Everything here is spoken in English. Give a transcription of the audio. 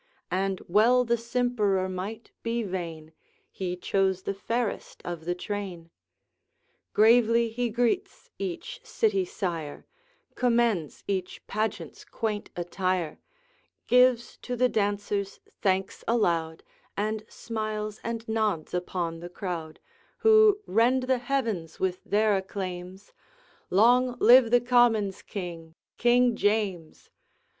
And well the simperer might be vain, He chose the fairest of the train. Gravely he greets each city sire, Commends each pageant's quaint attire, Gives to the dancers thanks aloud, And smiles and nods upon the crowd, Who rend the heavens with their acclaims, 'Long live the Commons' King, King James!'